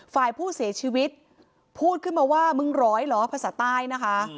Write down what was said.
ฝ่ายผู้เสียชีวิตพูดขึ้นมาว่ามึงร้อยเหรอภาษาใต้นะคะ